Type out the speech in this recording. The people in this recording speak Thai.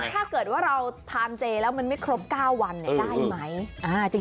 ถ้าเกิดว่าเราทานเจแล้วมันไม่ครบ๙วันได้ไหม